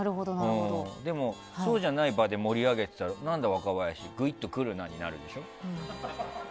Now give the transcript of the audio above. でも、そうじゃない場で盛り上げてたら、何だ若林ぐいっと来るなってなるわけでしょ。